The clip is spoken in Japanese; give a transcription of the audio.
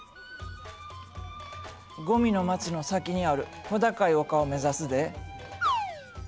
ゴミの町の先にある小高い丘を目指すで。